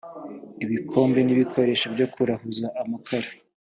ibikombe n ibikoresho byo kurahuza amakara